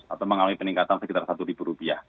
atau mengalami peningkatan sekitar rp satu